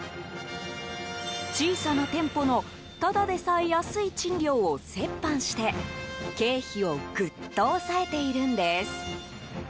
小さな店舗のただでさえ安い賃料を折半して経費をぐっと抑えているんです。